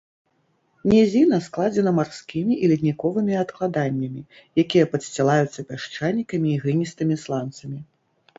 Нізіна складзена марскімі і ледніковымі адкладаннямі, якія падсцілаюцца пясчанікамі і гліністымі сланцамі.